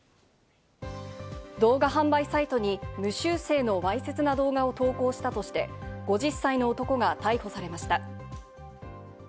動画販売サイトに無修正のわいせつな動画を投稿したとして、５０歳の男が逮捕されました。